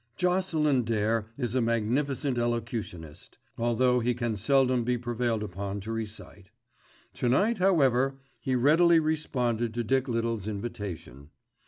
Jocelyn Dare is a magnificent elocutionist, although he can seldom be prevailed upon to recite. To night, however, he readily responded to Dick Little's invitation.